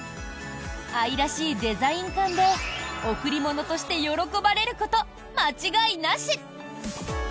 愛らしいデザイン缶で贈り物として喜ばれること間違いなし！